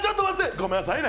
ごめんなさいね！